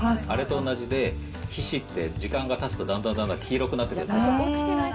あれと同じで、皮脂って時間がたつとだんだんだんだん黄色くなってくるんですよ。